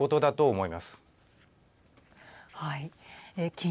はい。